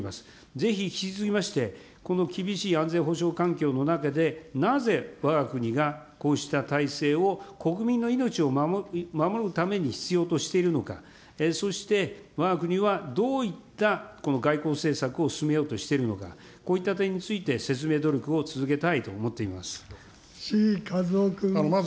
ぜひ引き続きまして、この厳しい安全保障環境の中で、なぜわが国がこうした体制を国民の命を守るために必要としているのか、そしてわが国はどういった、この外交政策を進めようとしているのか、こういった点について説明努力を続けたいと思っています。